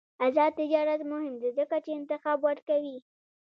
آزاد تجارت مهم دی ځکه چې انتخاب ورکوي.